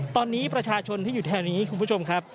ตอนนี้ประชาชนที่อยู่แถวนี้คุณผู้ชมครับ